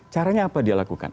caranya apa dia lakukan